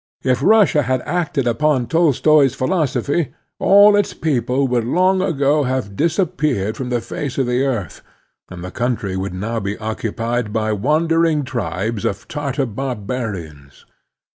If Russia had acted upon Tolstoi's philosophy, all its people would long ago have disappeared from the face of the earth, and the cotintry would now be occupied by wandering tribes of Tartar bar barians.